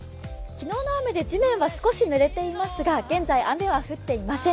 昨日の雨で地面は少しぬれていますが現在、雨は降っていません。